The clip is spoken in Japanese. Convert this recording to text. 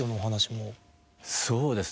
そうですね